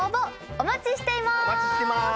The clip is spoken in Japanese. お待ちしてます！